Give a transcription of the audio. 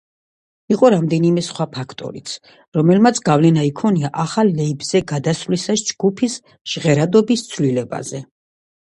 იყო რამდენიმე სხვა ფაქტორიც, რომელმაც გავლენა იქონია ახალ ლეიბლზე გადასვლისას ჯგუფის ჟღერადობის ცვლილებაზე.